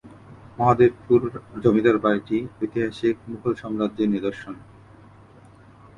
মহাদেবপুর জমিদার বাড়িটি ঐতিহাসিক মুঘল সাম্রাজ্যের নিদর্শন।